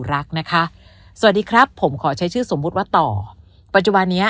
รักนะคะสวัสดีครับผมขอใช้ชื่อสมมุติว่าต่อปัจจุบันนี้